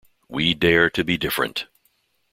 We Dare to Be Different.